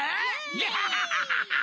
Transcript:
ガハハハハ！